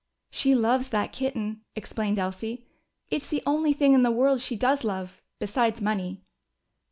"She loves that kitten," explained Elsie. "It's the only thing in the world she does love, besides money."